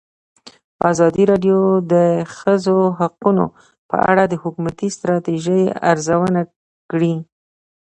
ازادي راډیو د د ښځو حقونه په اړه د حکومتي ستراتیژۍ ارزونه کړې.